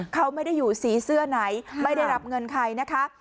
เขาไม่ได้อยู่สีเสื้อไหนไม่ได้รับเงินใครนะคะ